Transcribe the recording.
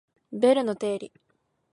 ベルの定理